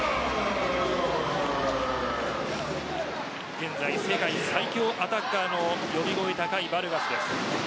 現在、世界最強アタッカーの呼び声高いバルガスです。